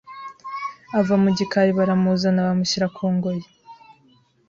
ava mu gikari baramuzana bamushyira ku ngoyi.